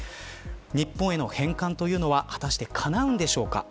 日本への返還というのは果たして、かなうんでしょうか。